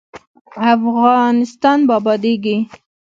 افغانستان به ابادیږي؟